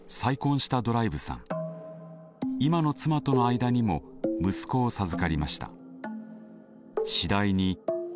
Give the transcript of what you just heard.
今の妻との間にも息子を授かりました。